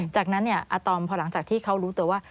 จากนั้นอาตอมพอหลังจากที่เขารู้ตัวว่า